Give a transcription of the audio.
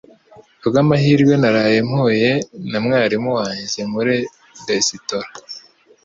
Ku bw'amahirwe naraye mpuye na mwarimu wanjye muri resitora